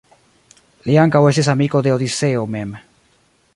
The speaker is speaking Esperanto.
Li ankaŭ estis amiko de Odiseo mem.